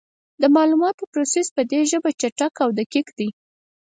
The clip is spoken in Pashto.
د معلوماتو پروسس په دې ژبه چټک او دقیق دی.